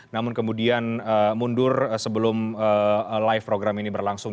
namun kemudian mundur sebelum live program ini berlangsung